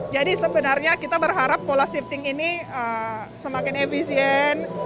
jadi sebenarnya kita berharap pola shifting ini semakin efisien